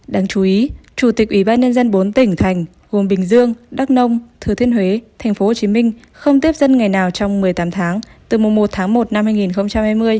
đáng chú ý chủ tịch ủy ban nhân dân bốn tỉnh thành gồm bình dương đắk nông thừa thiên huế tp hcm không tiếp dân ngày nào trong một mươi tám tháng từ mùa một tháng một năm hai nghìn hai mươi đến ba mươi tháng sáu năm hai nghìn hai mươi một